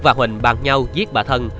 bà huỳnh bàn nhau giết bà thân